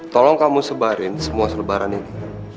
tolong kamu sebarin semua selebaran ini